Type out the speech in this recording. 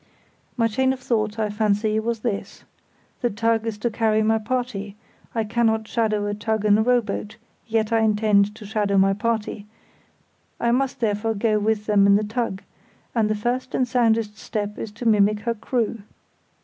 My chain of thought, I fancy, was this—the tug is to carry my party; I cannot shadow a tug in a rowboat, yet I intend to shadow my party; I must therefore go with them in the tug, and the first and soundest step is to mimic her crew.